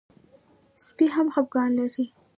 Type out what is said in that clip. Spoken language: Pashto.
سپي هم خپګان لري.